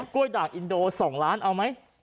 กล้วยด่างอินโด๒ล้านเอาไหม